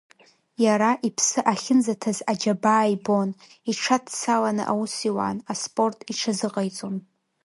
Иара иԥсы ахьынӡаҭаз аџьабаа ибон, иҽадцаланы аус иуан, аспорт иҽазыҟаиҵон.